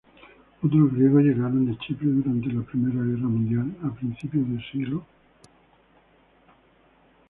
Otros griegos llegaron de Chipre durante la Primera Guerra Mundial a principios de siglo.